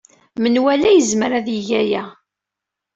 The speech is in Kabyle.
Menwala yezmer ad yeg aya.